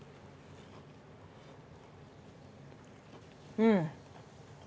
うん。